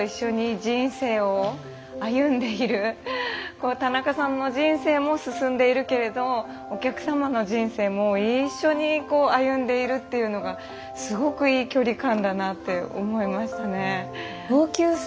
本当にこう田中さんの人生も進んでいるけれどお客様の人生も一緒にこう歩んでいるというのがすごくいい距離感だなって思いましたね。